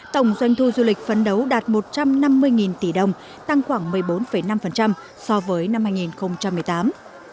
tổng doanh thu du lịch phấn đấu đạt một trăm năm mươi tỷ đồng tăng khoảng một mươi bốn năm so với năm hai nghìn một mươi tám